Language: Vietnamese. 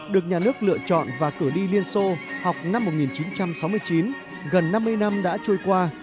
được nhà nước lựa chọn và cử đi liên xô học năm một nghìn chín trăm sáu mươi chín gần năm mươi năm đã trôi qua